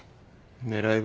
狙いは？